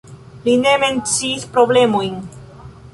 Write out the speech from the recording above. Li ne menciis problemojn.